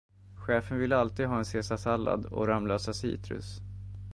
Chefen vill alltid ha en caesarsallad och Ramlösa Citrus.